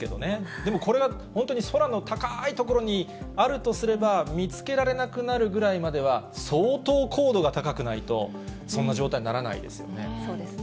でもこれが本当に空の高い所にあるとすれば、見つけられなくなるぐらいまでは相当高度が高くないと、そうですね。